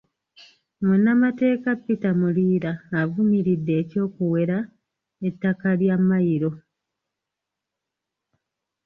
Munnamateeka Peter Muliira avumiridde eky'okuwera ettaka lya Mmayiro .